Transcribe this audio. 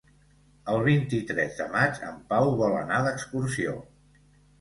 El vint-i-tres de maig en Pau vol anar d'excursió.